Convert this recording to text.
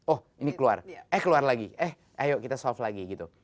oh ini keluar eh keluar lagi eh ayo kita solve lagi gitu